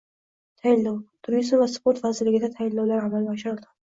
Tayinlov: Turizm va sport vazirligida tayinlovlar amalga oshirildi